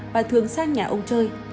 và thường sang nhà ông chơi